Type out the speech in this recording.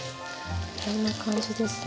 こんな感じですね。